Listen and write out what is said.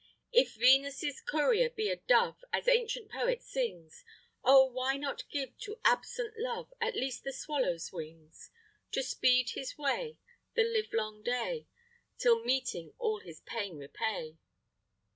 If Venus' courier be a dove, As ancient poet sings, Oh! why not give to absent love At least the swallow's wings, To speed his way, The live long day, Till meeting all his pain repay?